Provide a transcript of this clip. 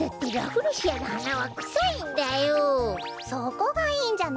そこがいいんじゃない！